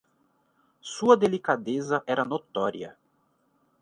Sua delicadeza era notória